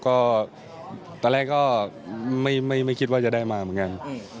ก็ตอนแรกก็ไม่คิดว่าจะได้มาเหมือนกัน